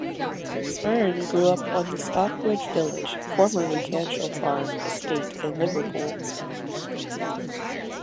Byrne grew up on the Stockbridge Village (formerly Cantril Farm) estate in Liverpool.